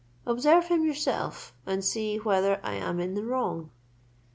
Observe him yourself, and see whether I am in the wrong."